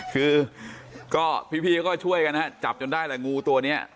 คือก็พี่พี่ก็ช่วยกันนะครับจับจนได้หลายงูตัวเนี้ย